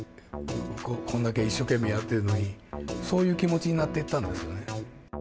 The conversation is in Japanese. こんだけ一生懸命やってるのに、そういう気持ちになっていったんですよね。